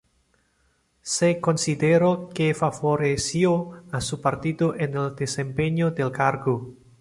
Se consideró que favoreció a su partido en el desempeño del cargo.